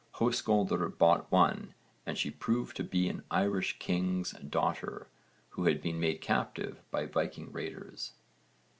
Höskuldr bought one and she proved to be an Irish king's daughter who had been made captive by Viking raiders.